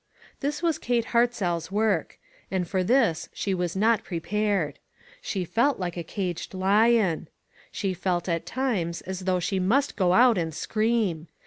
This was Kate Hartzell's work ; and for this she was not prepared. She felt like a caged lion. She felt, at times, as though she must go out and scream!